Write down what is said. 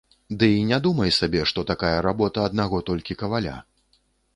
Ды і не думай сабе, што такая работа аднаго толькі каваля.